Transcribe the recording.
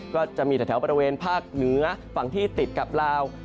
ก็จะมีแถวบริเวณภาคเหนือฝั่งที่ติดกับลาว